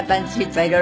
はい。